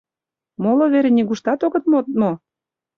Моло вере нигуштат огыт мод мо?